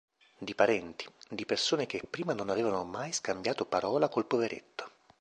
Di parenti, di persone che prima non avevano mai scambiato parola col poveretto.